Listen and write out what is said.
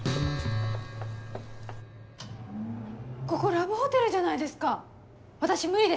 ここラブホテルじゃないですか私無理です！